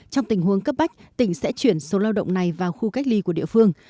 trong tình huống cấp bách tỉnh sẽ chuyển số lao động này vào khu cách ly của địa phương